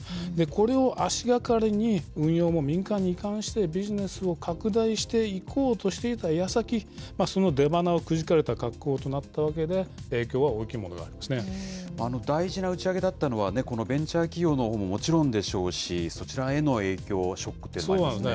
これを足がかりに、運用も民間に移管して、ビジネスを拡大していこうとしていたやさき、その出ばなをくじかれた格好となったわけで、影響は大きいものがあるんで大事な打ち上げだったのは、このベンチャー企業のほうももちろんでしょうし、そちらへの影響、そうなんですね。